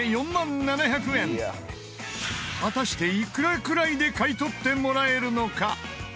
果たしていくらくらいで買い取ってもらえるのか？